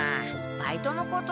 バイトのこと？